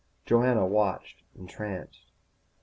Joanna watched entranced.